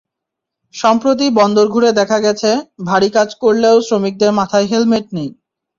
সম্প্রতি বন্দর ঘুরে দেখা গেছে, ভারী কাজ করলেও শ্রমিকদের মাথায় হেলমেট নেই।